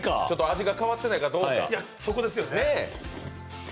味が変わってないかどうか。